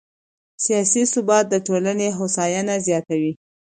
سیاسي ثبات د ټولنې هوساینه زیاتوي